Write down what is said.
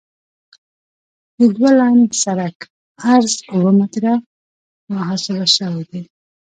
د دوه لاین سرک عرض اوه متره محاسبه شوی دی